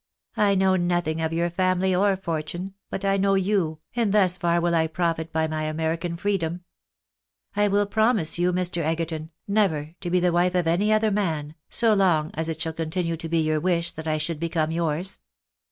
I know nothing of your family or fortune, but I know you, and thus far will I profit by my American free dom. I will promise you, Mr. Egerton, never to be the wife of any other man, so long as it shall continue to be your wish that I should become yours.